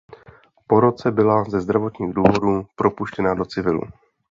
Po roce byla ze zdravotních důvodů propuštěna do civilu.